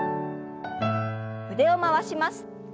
腕を回します。